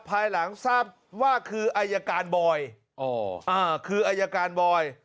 ภายหลังทราบว่าคืออายการบอยคืออายการบอย